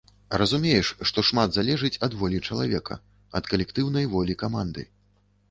Разумееш, што шмат залежыць ад волі чалавека, ад калектыўнай волі каманды.